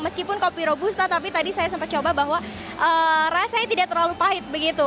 meskipun kopi robusta tapi tadi saya sempat coba bahwa rasanya tidak terlalu pahit begitu